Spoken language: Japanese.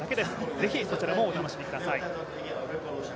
是非そちらもお楽しみください。